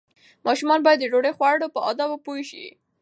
ماشومان باید د ډوډۍ خوړلو په آدابو پوه شي.